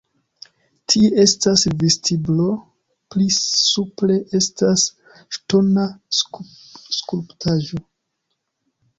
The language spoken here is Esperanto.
Tie estas vestiblo, pli supre estas ŝtona skulptaĵo.